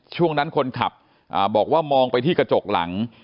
ช่วงนั้นคนขับบอกว่ามองไปที่กระจกหลัง